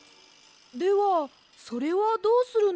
ではそれはどうするんですか？